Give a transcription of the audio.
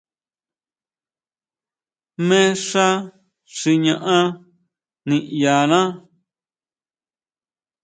Jmé xá xi ñaʼán niʼyaná.